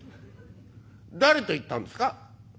「誰と行ったんですか？」。